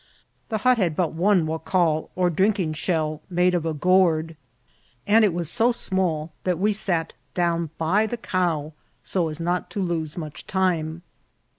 The hut had but one waccal, or drinking shell, made of a gourd, and it was so small that we sat down by the cow so as not to lose much time.